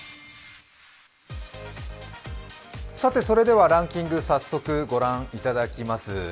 それではランキング、早速ご覧いただきます。